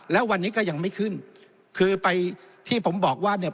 แล้ววันนี้ก็ยังไม่ขึ้นคือไปที่ผมบอกว่าเนี่ย